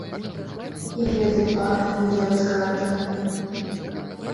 І гэты факт будзе абскарджаны.